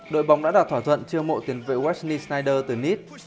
đội bóng đã đạt thỏa thuận trưa mộ tiền vệ watney snyder từ nice